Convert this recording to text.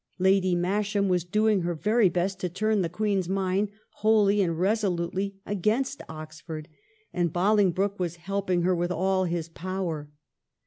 Lady Masham was doing her very best to turn the Queen's mind wholly and resolutely against Oxford, and Bolingbroke was helping her with all his power.